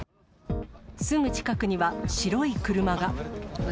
すぐ近くには白い車が。